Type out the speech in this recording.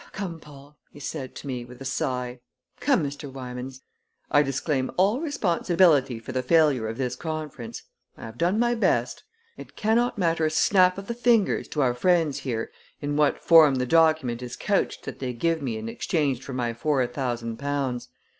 "Come, Paul!" he said to me with a sigh. "Come, Mr. Wymans! I disclaim all responsibility for the failure of this conference. I have done my best. It cannot matter a snap of the fingers to our friends here in what form the document is couched that they give me in exchange for my four thousand pounds.